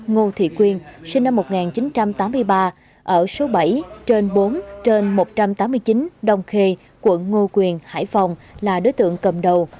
ngô thị quyên sinh năm một nghìn chín trăm tám mươi ba ở số bảy trên bốn một trăm tám mươi chín đông khê quận ngo quyền hải phòng là đối tượng cầm đầu